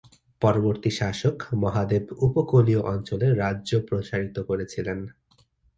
পরবর্তী শাসক মহাদেব উপকূলীয় অঞ্চলে রাজ্য প্রসারিত করেছিলেন।